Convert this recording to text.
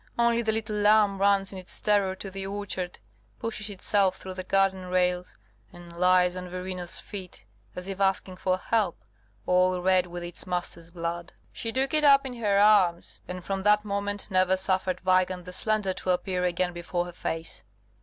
Only the little lamb runs in its terror to the orchard, pushes itself through the garden rails, and lies at Verena's feet, as if asking for help, all red with its master's blood. She took it up in her arms, and from that moment never suffered Weigand the Slender to appear again before her face.